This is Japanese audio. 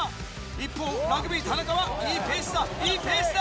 一方ラグビー田中はいいペースだいいペースだ。